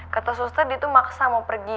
kata suster dia tuh maksa mau pergi